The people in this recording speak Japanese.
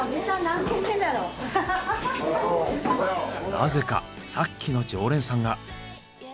なぜかさっきの常連さんが。